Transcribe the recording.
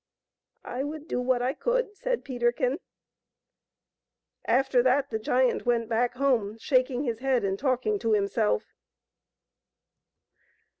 " I would do what I could, said Peterkin. After that the giant went back home, shaking his head and talking to himself.